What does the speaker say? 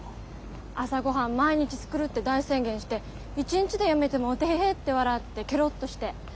「朝ごはん毎日作る」って大宣言して一日でやめてもテヘッて笑ってケロッとして。